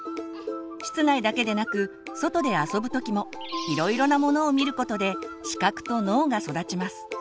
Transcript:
室内だけでなく外で遊ぶ時もいろいろなものを見ることで視覚と脳が育ちます。